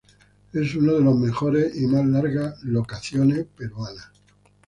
Es uno de los mejores y más largas locaciones peruanas.